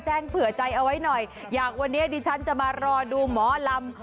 เผื่อใจเอาไว้หน่อยอย่างวันนี้ดิฉันจะมารอดูหมอลำ